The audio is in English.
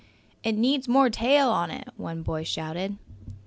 "It needs more tail on it!" one boy shouted.